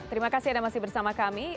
terima kasih sudah bersama kami